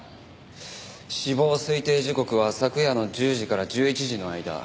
死亡推定時刻は昨夜の１０時から１１時の間。